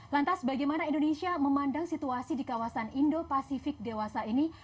lantas bagaimana indonesia memandang situasi di kawasan indo pasifik dewasa ini